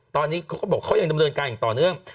ตอนนี้เขาก็บอกเขายังดำเนินการอย่างต่อเนื่อง